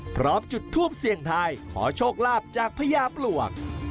พร้อมจุดทูปเสี่ยงทายขอโชคลาภจากพญาปลวก